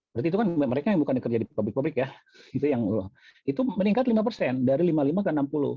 berarti itu kan mereka yang bukan kerja di publik publik ya itu meningkat lima persen dari lima puluh lima ke enam puluh